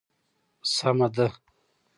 سمه ده.